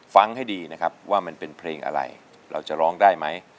ฟังให้ดีนะครับว่ามันเป็นเพลงอะไรเราจะร้องได้ไหม